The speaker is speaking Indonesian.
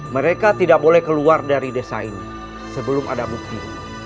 mereka tidak boleh keluar dari desa ini sebelum ada bukti